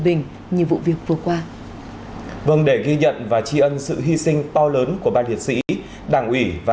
ninh như vụ việc vừa qua vâng để ghi nhận và tri ân sự hy sinh to lớn của ban liệt sĩ đảng ủy và